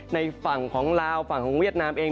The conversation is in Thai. ในฝั่งของลาวฝั่งของเวียดนามเอง